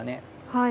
はい。